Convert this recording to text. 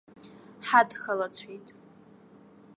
Ҳадхалацәеит.